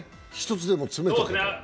１つでも詰めておけば。